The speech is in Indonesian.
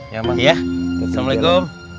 ya bang assalamualaikum